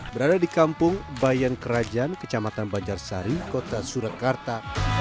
berada di kampung bayan kerajaan kecamatan banjarsari kota surakarta